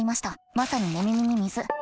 まさに寝耳に水。